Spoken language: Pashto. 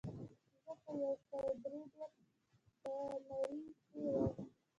دا په یو سوه درې دېرش ق م کې و